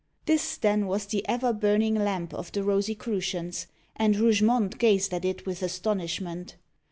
This, then, was the ever burning lamp of the Rosicrucians, and Rougemont gazed at it with astonishment.